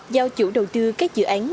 giao chủ đầu tư các dự án